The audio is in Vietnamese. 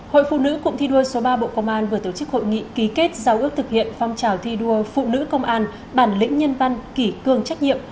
hội phụ nữ cụng thi đua số ba bộ công an vừa tổ chức hội nghị ký kết giao ước thực hiện phong trào thi đua phụ nữ công an bản lĩnh nhân văn kỷ cương trách nhiệm